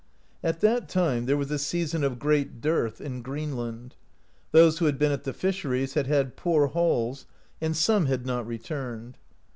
At that time there was a season of great dearth in Greenland ; those who had been at the fisheries had had poor hauls, and some had not returned.